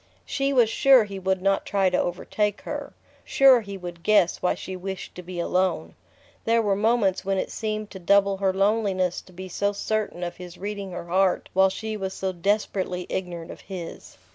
She was sure he would not try to overtake her: sure he would guess why she wished to be alone. There were moments when it seemed to double her loneliness to be so certain of his reading her heart while she was so desperately ignorant of his...